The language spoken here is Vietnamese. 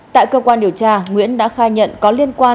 tại cơ quan điều tra nguyễn đã khai nhận có liên quan